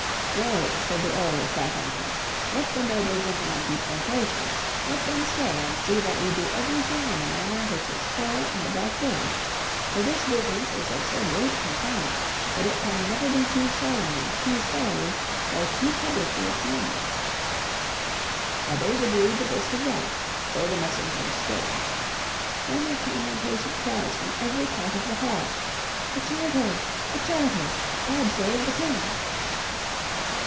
"No," said the Earl of Southampton, "let the noble gentlemen keep their places. Let them stay and see that we do everything in a manner which is fair and above board. For this business is of so great concernment that it can never be too solemnly, too thoroughly or too publicly examined." Others agreed that this was right. So the messengers stayed. Then there came impatient cries from every part of the hall, "The Charter! The Charter! God save the King!"